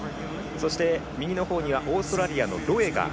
そして、右のほうにはオーストラリアのロエガー。